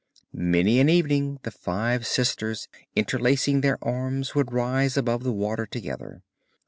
Many an evening the five sisters interlacing their arms would rise above the water together.